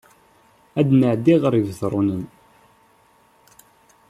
Ad nɛeddi ɣer Ibetṛunen.